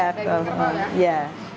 daging kerbau ya